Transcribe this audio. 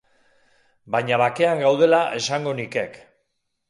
Baina bakean gaudela esango nikek.